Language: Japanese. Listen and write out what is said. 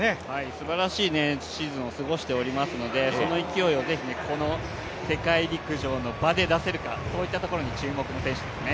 すばらしいシーズンを過ごしていますので、その勢いをぜひこの世界陸上の場で出せるか、そういったところに注目の選手ですね。